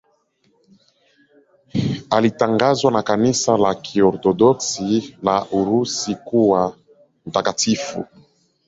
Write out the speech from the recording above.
Alitangazwa na Kanisa la Kiorthodoksi la Urusi kuwa mtakatifu.